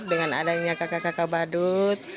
dengan adanya kakak kakak badut